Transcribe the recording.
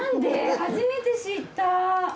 初めて知った！